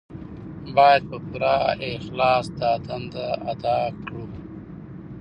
باید په پوره اخلاص دا دنده ادا کړو.